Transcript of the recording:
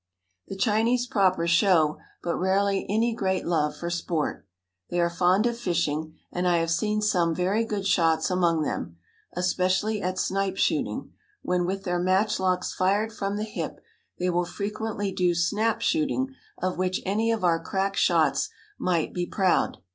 The Chinese proper show but rarely any great love for sport. They are fond of fishing, and I have seen some very good shots among them, especially at snipe shooting, when, with their match locks fired from the hip, they will frequently do snap shooting of which any of our crack shots might be proud.